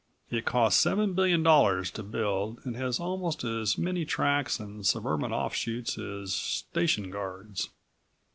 It cost seven billion dollars to build and has almost as many tracks and suburban off shoots as station guards.